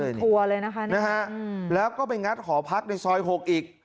เป็นทัวร์เลยนะคะนะฮะแล้วก็ไปงัดหอพักในซอยหกอีก